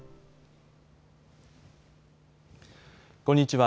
こんにちは。